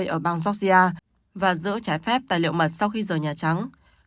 ở bang georgia và dỡ trái phép tài liệu mật sau khi rời nhà trắng